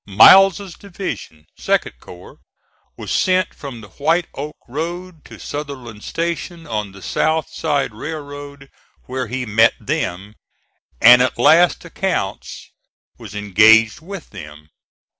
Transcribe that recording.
Miles's division, 2d corps, was sent from the White Oak Road to Sutherland Station on the South Side Railroad, where he met them, and at last accounts was engaged with them.